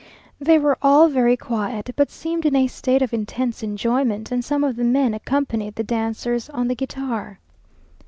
They were all very quiet, but seemed in a state of intense enjoyment; and some of the men accompanied the dancers on the guitar.